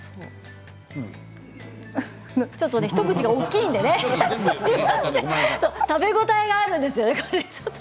一口が大きいのでね食べ応えがあるんですよね。